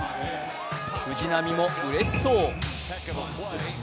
藤浪もうれしそう。